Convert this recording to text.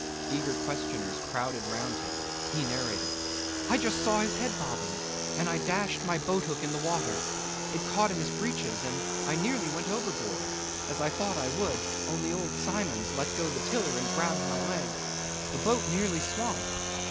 Eager questioners crowded round him. He narrated: 'I just saw his head bobbing, and I dashed my boat hook in the water. It caught in his breeches and I nearly went overboard, as I thought I would, only old Symons let go the tiller and grabbed my legs the boat nearly swamped.